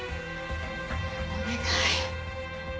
お願い。